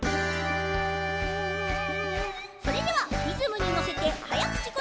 それではリズムにのせてはやくちことばいってみよう！